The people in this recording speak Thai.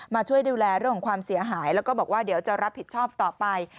มาช่วยดูแลเรื่องของความเสียหายแล้วก็บอกว่าเดี๋ยวจะรับผิดชอบต่อไป